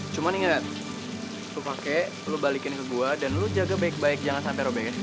cuman inget lo pake lo balikin ke gua dan lo jaga baik baik jangan sampe robein